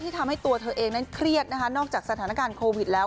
ทำให้ตัวเธอเองนั้นเครียดนะคะนอกจากสถานการณ์โควิดแล้ว